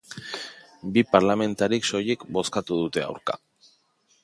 Bi parlamentarik soilik bozkatu dute aurka.